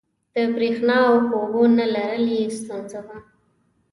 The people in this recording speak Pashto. د برېښنا او اوبو نه لرل یې ستونزه وه.